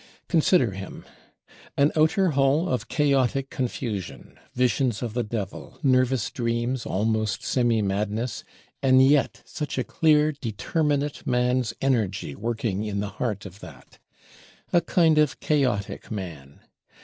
Consider him. An outer hull of chaotic confusion, visions of the Devil, nervous dreams, almost semi madness; and yet such a clear determinate man's energy working in the heart of that. A kind of chaotic man.